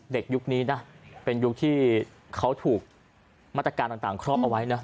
ยุคนี้นะเป็นยุคที่เขาถูกมาตรการต่างครอบเอาไว้นะ